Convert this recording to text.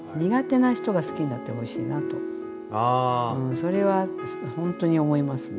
それは本当に思いますね。